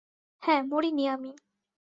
হ্যাঁ, মরিনি আমি।